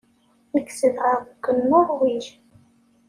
Nekk zedɣeɣ deg Nuṛwij.